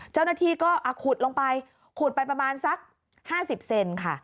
เจ้าหน้าที่ก็ขุดลงไปขุดไปประมาณสัก๕๐เซนค่ะ